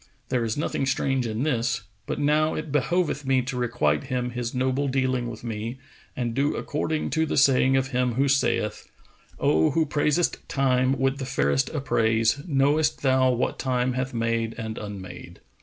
There is nothing strange in this; but now it behoveth me to requite him his noble dealing with me and do according to the saying of him who saith, 'O who praisest Time with the fairest appraise, * Knowest thou what Time hath made and unmade?